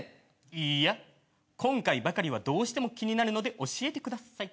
いいや今回ばかりはどうしても気になるので教えてください。